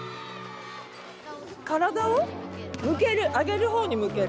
体を向ける上げる方に向ける。